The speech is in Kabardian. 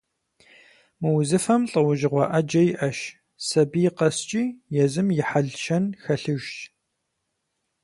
Мы узыфэм лӀэужьыгъуэ Ӏэджэ иӀэщ, сабий къэскӀи езым и хьэл-щэн хэлъыжщ.